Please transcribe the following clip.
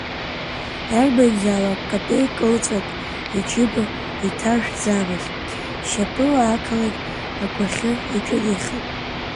Иарбанзаалак капеи-кылҵәак иџьыба иҭаршәӡамызт, шьапыла ақалақь агәахьы иҿынеихеит.